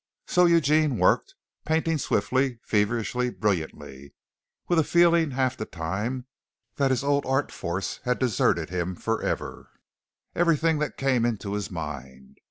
So Eugene worked, painting swiftly, feverishly, brilliantly with a feeling half the time that his old art force had deserted him for ever everything that came into his mind.